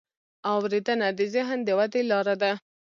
اورېدنه د ذهن د ودې لاره ده.